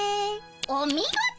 お見事！